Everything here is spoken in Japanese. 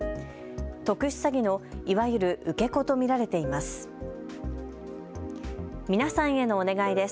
特殊詐欺のいわゆる受け子と見られています。